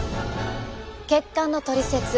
血管のトリセツ